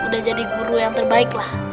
udah jadi guru yang terbaik lah